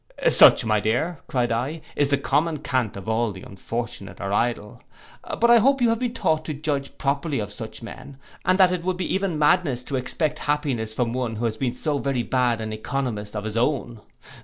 'Such, my dear,' cried I, 'is the common cant of all the unfortunate or idle. But I hope you have been taught to judge properly of such men, and that it would be even madness to expect happiness from one who has been so very bad an oeconomist of his own.